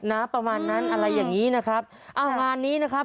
ประมาณนั้นอะไรอย่างนี้นะครับอ้าวงานนี้นะครับ